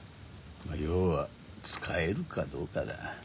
要は使えるかどうかだ。